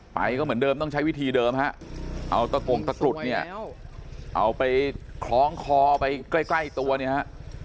ไปก็เหมือนเดิมต้องใช้วิธีเดิมฮะเอาตะกงตะกรุดเนี่ยเอาไปคล้องคอไปใกล้ตัวเนี่ยฮะ